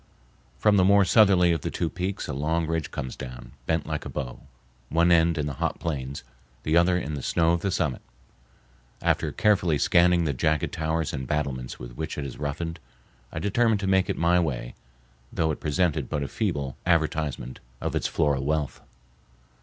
From the more southerly of the two peaks a long ridge comes down, bent like a bow, one end in the hot plains, the other in the snow of the summit. After carefully scanning the jagged towers and battlements with which it is roughened, I determined to make it my way, though it presented but a feeble advertisement of its floral wealth.